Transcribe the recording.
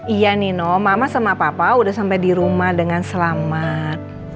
iya nino mama sama papa udah sampai di rumah dengan selamat